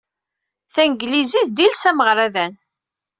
Tanglizit d iles ameɣradan.